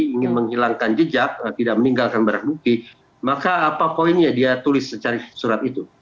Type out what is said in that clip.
ingin menghilangkan jejak tidak meninggalkan barang bukti maka apa poinnya dia tulis secari surat itu